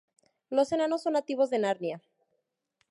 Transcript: Los Enanos son nativos de Narnia.